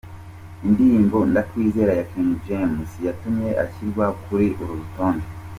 Indirimbo Ndakwizera ya King James yatumye ashyirwa kuri uru rutonde:.